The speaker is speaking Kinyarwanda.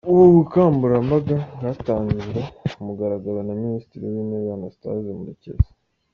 Ubu bukangurambaga bwatangijwe ku mugaragaro na Minisitiri w’Intebe, Anasatase Murekezi.